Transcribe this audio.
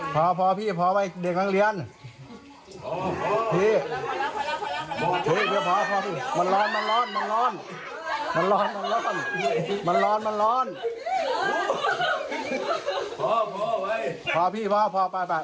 หัวโหพึ่งแล้วนะ